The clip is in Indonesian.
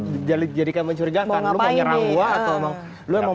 soalnya setidaknya orang ngelihat